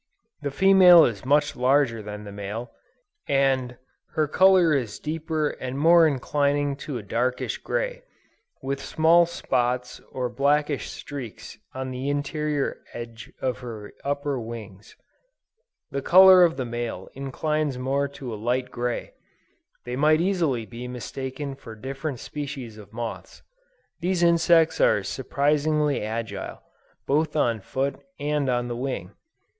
The female is much larger than the male, and "her color is deeper and more inclining to a darkish gray, with small spots or blackish streaks on the interior edge of her upper wings." The color of the male inclines more to a light gray; they might easily be mistaken for different species of moths. These insects are surprisingly agile, both on foot and on the wing.